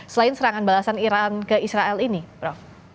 selain serangan balasan iran ke israel ini prof